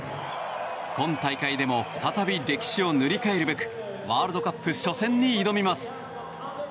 今大会でも再び歴史を塗り替えるべくワールドカップ初戦に挑みます。